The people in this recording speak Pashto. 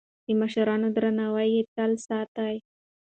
د مشرانو درناوی يې تل ساته.